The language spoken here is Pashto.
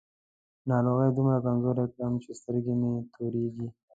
ناروغۍ دومره کمزوری کړی يم چې سترګې مې تورېږي.